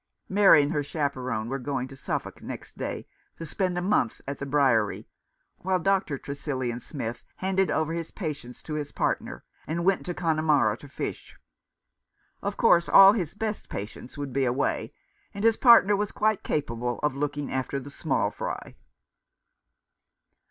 Mary and her chaperon were going to Suffolk next day to spend a month at the Briery, while Dr. Tresillian Smith handed over his patients to his partner, and went to Connemara to fish. Of course, all his best patients would be away, and his partner was quite capable of looking after the small fry.